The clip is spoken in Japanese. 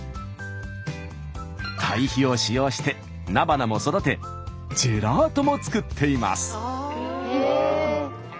たい肥を使用して菜花も育てジェラートも作っています。